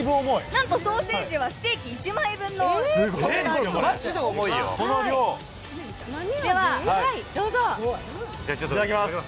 なんとソーセージはステーキ１枚分となっています。